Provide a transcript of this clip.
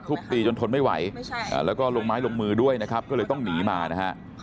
ตีจนทนไม่ไหวแล้วก็ลงไม้ลงมือด้วยนะครับก็เลยต้องหนีมานะฮะ